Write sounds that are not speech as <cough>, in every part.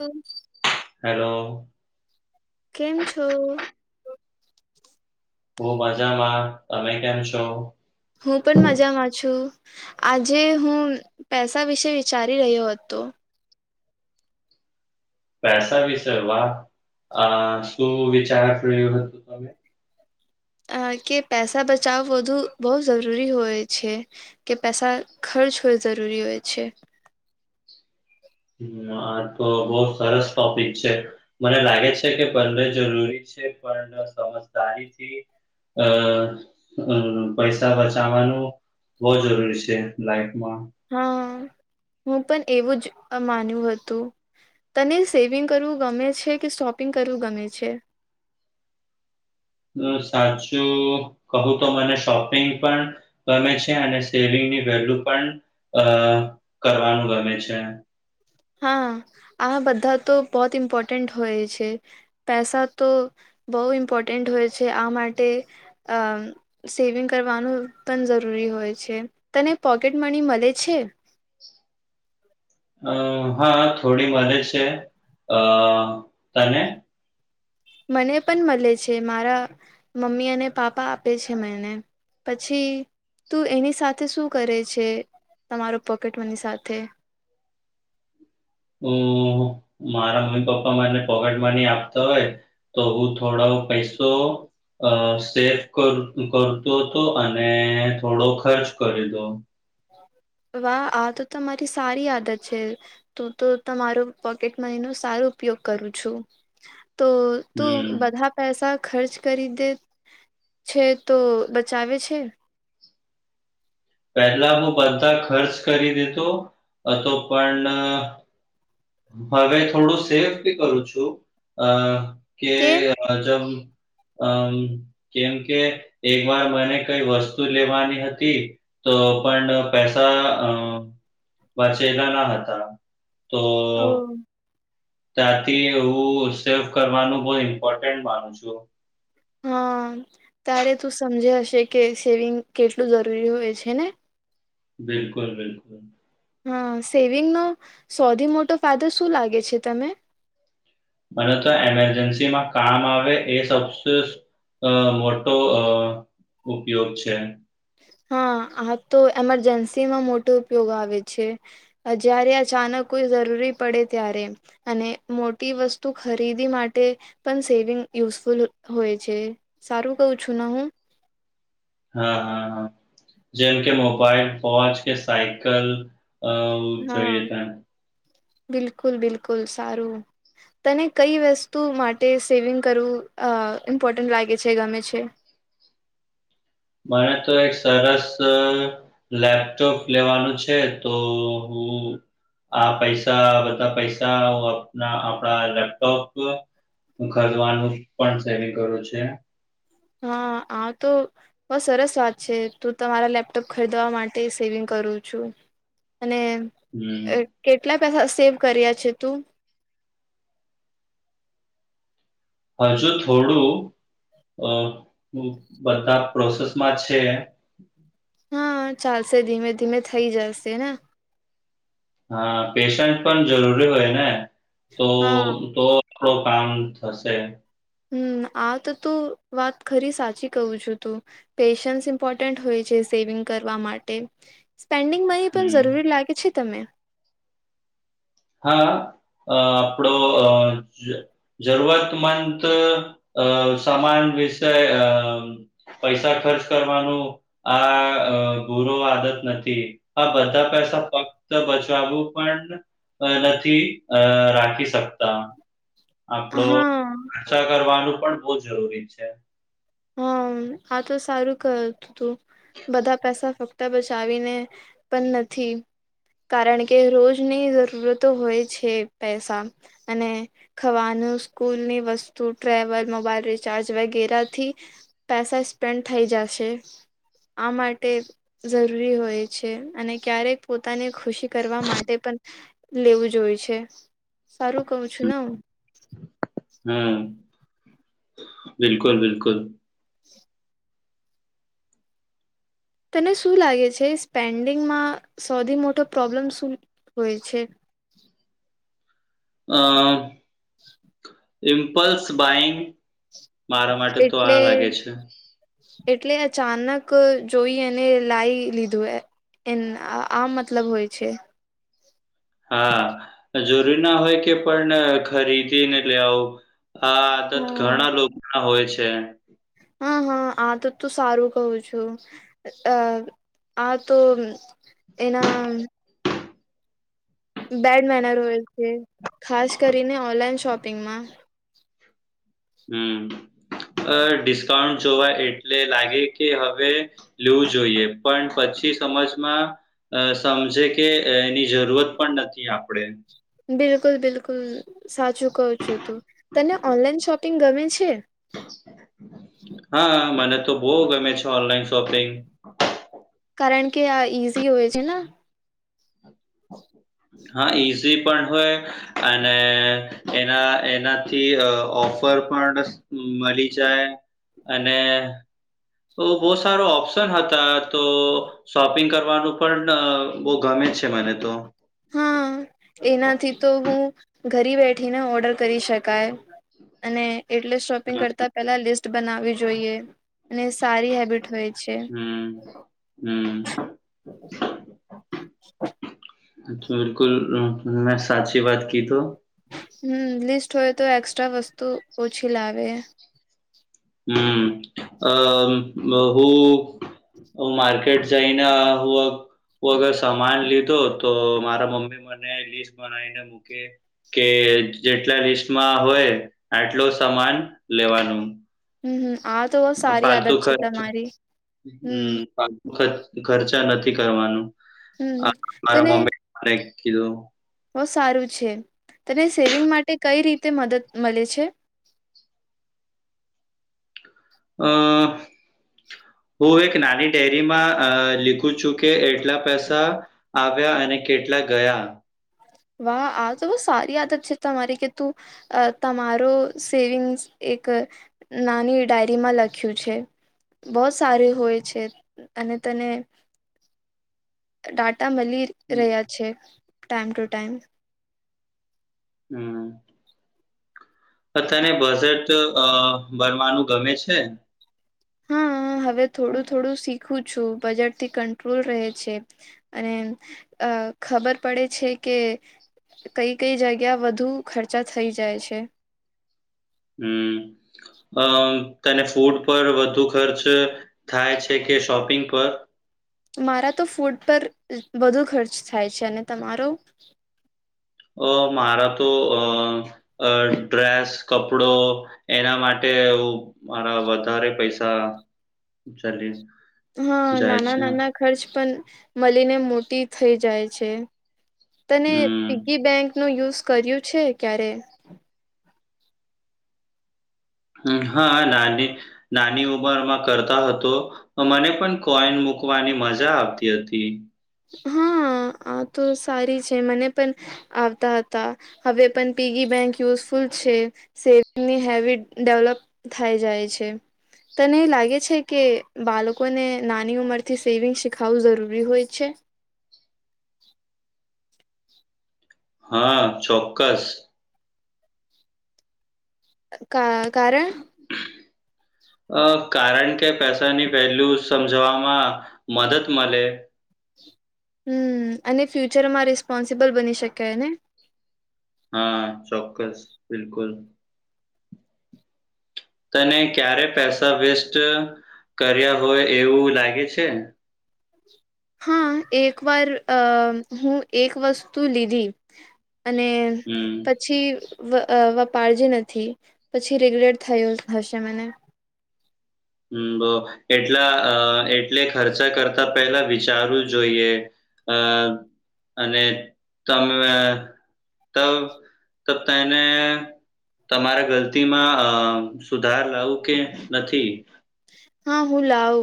હમ hello કેમ છો હુ મજામાં તમે કેમ છો હું પણ મજામાં છું આજે હું પૈસા વિશે વિચારી રહ્યો હતો પૈસા વિશેય વા આ શું વિચાર રહ્યો હતુ તમે અ કે પેસા બચાવ વધુ બહુ જરૂરી હોય છે કે પૈસા ખર્ચ હોય જરૂરી હોય છે હ આ તો બહુ સરસ ટોપિક છે મને લાગે છે કે પડ જરૂરી છે પણ સમજદારીથી અ અ પૈસા બચાવવાનું બહુ જરૂરી છે લાઈફમાં હા હું પણ એવું જ માન્યું હતું તને સેવિંગ કરવું ગમે છે કે શોપિંગ કરવું ગમે છે સાચું કહું તો મને શોપિંગ પણ ગમે છે અને સેલિંગની વેલ્યુ પણ અ કરવાનું ગમે છે હા આ બધા તો બહત ઇમ્પોર્ટન્ટ હોય છે પેસા તો બહુ ઇમ્પોર્ટન્ટ હોય છે આ માટે અ સેવિંગ કરવાનું પણ જરૂરી હોય છે તને પોકેટ મની મળે છે અ હા થોડી મેજ છે અ તને મને પણ મળે છે મારા મમ્મી અને પાપા આપે છે મને પછી તું એની સાથે શું કરે છે તમારો પોકેટ મની સાથે હ મારા મમ્મી પપ્પા મને પોકેટ મની આપતા હોય તો હું થોડો પૈસો અ સેફ કર કરતો હતો અને થોડો ખર્ચ કરી દો વાહ આ તો તમારી સારી આદત છે તું તો તમારો પોકેટ મની નો સારો ઉપયોગ કરું છું તો તોું હમ બધા પૈસા ખર્ચ કરી દે છે તો બચાવે છે પેલા હું બધા ખર્ચ કરી દીધું હતો પણ હવે થોડું સેફ બી કરું છું અ કે કેમ હજમ અમ કેમ કે એક વાર મને કઈ વસ્તુ લેવાની હતી તો પણ પૈસા અ વાંચેલા ના હતા ઓ તો ત્યાંથી હું સેફ કરવાનું બહ ઇમ્પોર્ટન્ટ માનું છું હા તારે તું સમજે હશે કે સેવિંગ કેટલું જરૂરી હોય છે ને બિલકુલ બિલકુલ હા સેવિંગનોો સૌથી મોટો ફાયદો શું લાગે છે તમે મને તો એમરજન્સી માં કામ આવે એ સ અ મોટો અ ઉપયોગ છે હા આ તો એમરજન્સી માં મોટો ઉપયોગ આવે છે જય્યારે અચાનક કોઈ જરૂરી પડે ત્યારે અને મોટી વસ્તુ ખરીદી માટે પણ સેવિંગ યુઝફુલ હોય છે સારું કઉ છું ના હું હા હા હા જેમ કે મોબાઈલ ફોજ કે સાયકલ અ હા જોઈએ તેમ. બિલકુલ બિલકુલ સારું તને કઈ વસ્તુ માટે સેવિંગ કરવું ઇમ્પોર્ટન્ટ લાગે છે ગમે છે મને તો એક સરસ લેપટોપ લેવાનું છે તો હું આ પૈસા બધા પૈસા આપણા લેપટોપ હું ખરદવાનું પણ સેન કર્યો છે હા આ તો બહ સરસ વાત છે તું તમારા લેપટોપ ખરીદવા માટે સેવિંગ કરું છું અનેને હમ કેટલા પેસા સેવ કર્યા છે તું હજુ થોડું અ બધા પ્રોસેસમાં છે હા ચાલશે ધીમે ધીમે થઈ જશે ને હા પેશન્ટ પણ જરૂરી હોય ને તો હા તો આપડો કામ થશે હમ આ તો તું વાત ખરી સાચી કવું છું તું પેશન્સ ઇમ્પોર્ટન્ટ હોય છે સેવિંગ કરવા માટે સ્પેન્ડિંગ મની પણ હમ્મ. જરૂરી લાગે છે તમને હા અ આપડો અ જરૂરતમંદ અ સમાન વિષય અ પૈસા ખર્ચ કરવાનું આ ગુરો આદત નથી આ બધા પૈસા ફક્ત બચાવું પણ નથી અ રાખી શકતા આપડો હા રક્ષા કરવાનું પણ બહુ જરૂરી છે હા આ તો સારું કરતું તું બધા પૈસા ફક્ત બચાવીને પણ નથી કારણ કે રોજની જરૂરતો હોય છે પૈસા અને ખવાનું સ્કૂલ ની વસ્તુ ટ્રેવલ મોબાઈલ રિચાર્જ વગેરે થી પેસા સ્પેન્ડ થઈ જશે આ માટે જરૂરી હોય છે અને ક્યારેક પોતાની ખુશી કરવા માટે પણ લેવું જોય છે સારું કું છું ને હું હમ બિલકુલ બિકુલ તને શું લાગે છે સ્પેન્ડિંગમાં સૌથી મોટો પ્રોબ્લેમ શું હોય છે હ ઇમ્પલ્સ બાઈંગ. મારા માટે તો આ એટલે. લાગે છે એટલે અચાનક જોઈ એને લાયે જોઈએ એ આમ મતલબ હોય છે. હા જરૂરી ના હોય કે પણ ખરીદીને એટ લેવું હા આદત હમ. ઘણા લોકો ના હોય છે. હા હા આ તો તું સારું કવું છું. અ આ તો એના બેડ મેનર હોય છે, ખાસ કરીને ઓનલાઈન શોપિંગમાં હમ ડિસ્કાઉન્ટ જોવા એટલે લાગે કે હવે લેવું જોઈએ પણ પછી સમજમાં અ સમજે કે એની જરૂરત પણ નથી આપણેે. બિલકુલ બિલકુલ સાચું કહું છું, તું તને ઓનલાઈન શોપિંગ ગમે છે? હા મને તો બહ ગમે છે ઓનલાઈન શોપિંગ. કારણ કે આ ઈઝી હોય છે ને. <inaudible> હા ઈઝી પણ હોય અને એના એનાથી ઓફર પણ મળી જાય અને બહુ સારો ઓપ્શન હતા તો શોપિંગ કરવાનું પણ બહુ ગમે જ છે મને તો. હા એનાથી તો હું ઘરી બેઠીને ઓર્ડર કરી શકાય. અને એટલે શોપિંગ હા, કરતા પેલા લિસ્ટ બનાવી જોઈએ અને સારી હેબિટ ય છે. હમ હમ. અચ બિલકુલ મે સાચી વાત કીધો. હમ લિસ્ટ હોય તો એક્સ્ટ્રા વસ્તુ ઓછી લાવે. હમ આ બ હું હ માર્કેટ જઈના હો હું અગર સમાન લીધો તો મારા મમ્મી મને લિસ્ટ બનાવીને મૂકે કે જેટલા લિસ્ટમાં હોય આટલો સમાન લેવાનું. હમ હમ આ તો સારી ફાલતુ આદત છે ખર્ચ તમારી હમ. ખચ ખર્ચા નથી કરવાનું હમ તને મારા મમી એ કીધું. બહ સારું છે તને સેવિંગ માટે કઈ રીતે મદદ મળે છે? અ હું કએક નાની ડેરીમાં લીખું છું કે એટલા પૈસા આવ્યા અને કેટલા ગયા વાહ આ તો બહ સારી આદત છે તમારી કે તું. અ તમારો સેવિંગ્સ એક નાની ડાયરીમાં લખ્યું છે. બહત સારી હોય છે અને તને. ડાટા મળી રહ્યા છે ટાઈમ ટુ ટાઈમ હમ. અ તને બજેટ અ ભણવાનું ગમે છે? હા હવે થોડું થોડું શીખું છું, બજટથી કટ્રોલ રહે છે. અને અ ખબર પડે છે કે કઈ કઈ જગ્યા વધુ ખર્ચા થઈ જાય છે. હમ અમ તને ફૂડ પર વધુ ખર્ચ. થાય છે કે શોપિંગ પર. મારા તો ફૂડ પર વધુ ખર્ચ થાય છે અને તમારો. અ મારા તો અ. અ ડ્રેસ કપડો એના માટે મારા વધારે પૈસા ચાલી હા જાય નાના છે. નાના ખર્ચ પણ મળીને મોટી થઈ જાય છે તને હમ પિગી બેન્કન યુઝ કર્યું છે ક્યારે? હા નાની નાની ઉંમરમાં કરતા હતો મને પણ કોઈન મૂકવાની મજા આવતી હતી. હા આ તો સારી છે મને પણ આવતા હતા હવે પણ પીગી બેંક યુઝફુલ છે સેવિંગની હેબિટ ડેવલપ થઈ જાય છે તને એ લાગે છે કે બાળકોને નાની ઉંમરથી સેવિંગ શીખાવવું જરૂરી હોય છે. <inaudible> હા ચોક્કસ કા કારે અ કારણ કે પૈસાની વેલ્યુ સમજવામાં મદદ મળે હમ અને ફ્યુચરમાં રિસ્પોન્સિબલ બની શકાય ને હા ચોક્કસ બિલકુલ <inaudible> તને ક્યારે પૈસા વેસ્ટ કર્યા હોય એવું લાગે છે. હા એક વાર અ હું એક વસ્તુ લીધી અને હમ પછી વપારજી નથી પછી રેગ્રેટ થયું હશે મને હમ બહ એટલા એટલે ખર્ચા કરતા પેલા વિચારવું જોઈએ અ અને તમે તબ તબ તો એને તમારે ગલતીમાં અ સુધાર લાવું કે નથી હા હું લાવ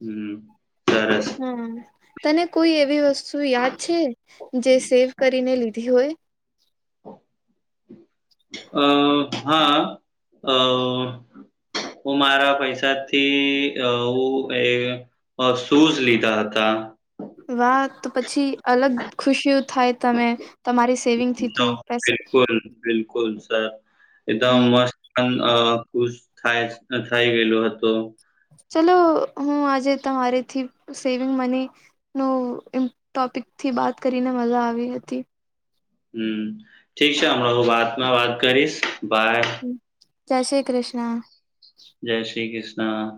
હમ સરસ હમ તને કોઈ એવી વસ્તુ યાદ છે જે સેવ કરીને લીધી હોય અ હા અ હું મારા પૈસાથી હું એ અ શૂઝ લીધા હતા વાહ તો પછી અલગ ખુશીઓ થાય તમે તમારી સેવિંગ થી તું પૈસા બિલકુલ, બિલકુલ સર એકદમ હમ મસ્ત ખુશ થાય થઈ ગયેલો હતો ચલો હું આજે તમારી થી સેવિંગ મની નોમ ટોપિકથી બાત કરીને મજા આવી હતી હમ ઠીક છે હમણા હું વાતમાં વાત કરીશ બાય જય શ્રી કૃષ્ણ જય શ્રી કૃષ્ણ